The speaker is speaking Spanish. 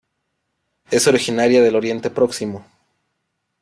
Es originaria del Oriente Próximo.